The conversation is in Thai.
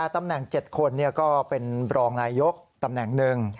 ตำแหน่ง๗คนก็เป็นรองนายยกตำแหน่งหนึ่ง